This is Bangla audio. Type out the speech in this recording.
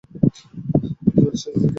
জীবনের শেষদিকে দীর্ঘদিন যাবৎ অসুস্থ ছিলেন।